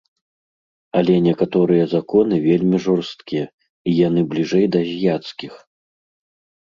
Але некаторыя законы вельмі жорсткія, і яны бліжэй да азіяцкіх.